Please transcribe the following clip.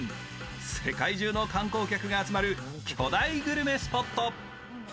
世界中の観光客が集まる巨大グルメスポット。